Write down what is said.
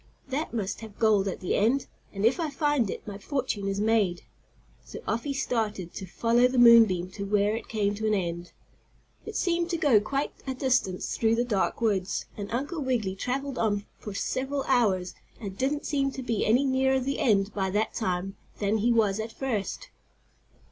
"That must have gold at the end, and, if I find it, my fortune is made." So off he started to follow the moon beam to where it came to an end. It seemed to go quite a distance through the dark woods, and Uncle Wiggily traveled on for several hours, and he didn't seem to be any nearer the end by that time than he was at first.